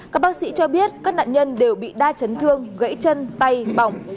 các bác sĩ cho biết các nạn nhân đều bị đa chấn thương gãy chân tay bỏng